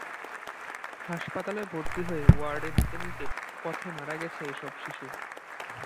হাসপাতালে ভর্তি হয়ে ওয়ার্ডে নিতে নিতে পথে মারা গেছে এসব শিশু।